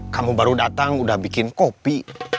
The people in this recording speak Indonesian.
kamu baru datang udah bikin kopi